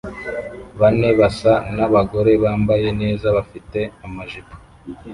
Bane basa nabagore bambaye neza bafite amajipo